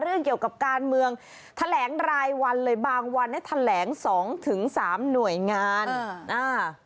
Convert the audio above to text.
เรื่องเกี่ยวกับการเมืองแถลงรายวันเลยบางวันเนี่ยแถลงสองถึงสามหน่วยงานอ่า